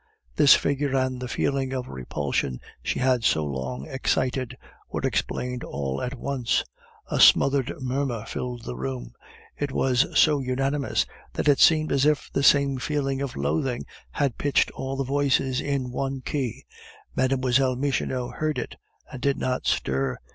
This figure and the feeling of repulsion she had so long excited were explained all at once. A smothered murmur filled the room; it was so unanimous, that it seemed as if the same feeling of loathing had pitched all the voices in one key. Mlle. Michonneau heard it, and did not stir.